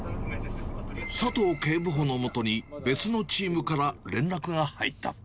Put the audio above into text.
佐藤警部補のもとに、別のチームから連絡が入った。